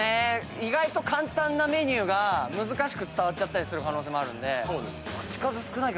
意外と簡単なメニューが難しく伝わっちゃったりする可能性もあるんで。